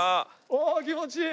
おお気持ちいい！